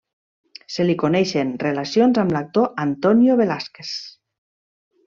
Se li coneixen relacions amb l'actor Antonio Velázquez.